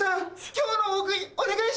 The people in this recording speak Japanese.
今日の大食いお願いします！